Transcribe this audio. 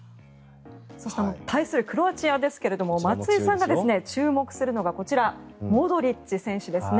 対するクロアチアですが松井さんが注目するのがこちら、モドリッチ選手ですね。